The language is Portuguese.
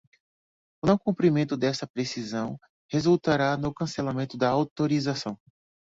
O não cumprimento desta prescrição resultará no cancelamento da autorização.